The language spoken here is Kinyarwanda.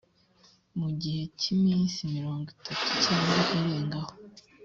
mu gihe cy’iminsi mirongo itatu cyangwa irengaho